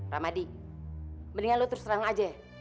ramadi mendingan lu terus terang aja